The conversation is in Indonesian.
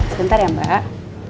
sebentar ya mbak